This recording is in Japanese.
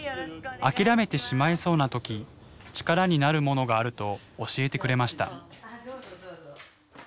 あきらめてしまいそうな時力になるものがあると教えてくれました。